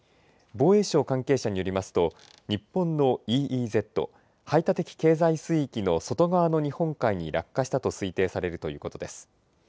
防衛省関係者によりますと、日本のＥＥＺ・排他的経済水域の外側の日本海に落下したと推定されるということです。